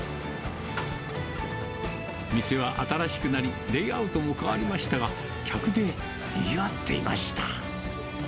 店は新しくなり、レイアウトも変わりましたが、客でにぎわっていました。